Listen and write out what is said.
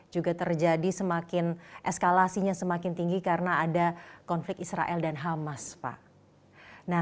juga terjadi semakin eskalasinya semakin tinggi karena ada konflik israel dan hamas pak